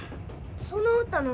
その歌何？